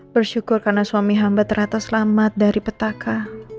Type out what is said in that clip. bersyukur karena suami hamba ternyata selamat dari petaka